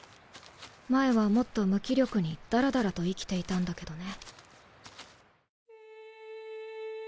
前はもっと無気力にダラダラと生きていたんだけどね。